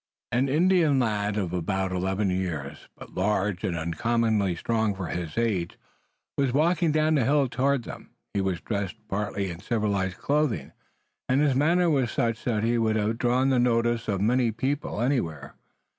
An Indian lad of about eleven years, but large and uncommonly strong for his age, was walking down the hill toward them. He was dressed partly in civilized clothing, and his manner was such that he would have drawn the notice of the observing anywhere.